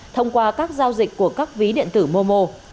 thông qua các giao dịch của các ví điện tử mô mô